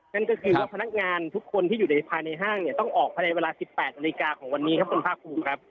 นั่นก็คือว่าพนักงานทุกคนที่อยู่ภายในห้างเนี่ยต้องออกภายในเวลา๑๘นาฬิกาของวันนี้ครับคุณภาคภูมิครับ